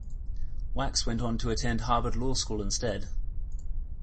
Wax went on to attend Harvard Law School instead.